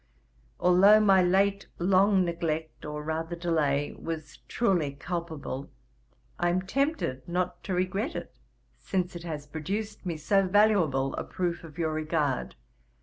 Although my late long neglect, or rather delay, was truely culpable, I am tempted not to regret it, since it has produced me so valuable a proof of your regard.